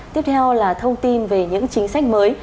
tiếp theo là thông tin về những chính sách mới